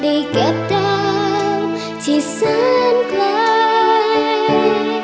ได้เก็บดาวที่สั้นไกล